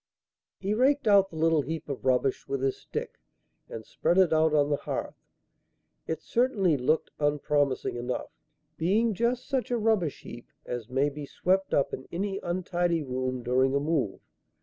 He raked out the little heap of rubbish with his stick and spread it out on the hearth. It certainly looked unpromising enough, being just such a rubbish heap as may be swept up in any untidy room during a move.